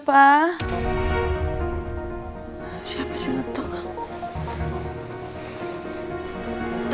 fera pesta sudah nangis